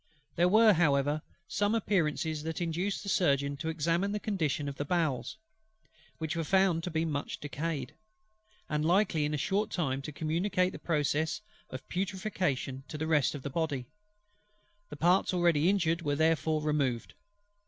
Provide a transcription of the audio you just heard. There were, however, some appearances that induced the Surgeon to examine the condition of the bowels; which were found to be much decayed, and likely in a short time to communicate the process of putrefaction to the rest of the Body: the parts already injured were therefore removed.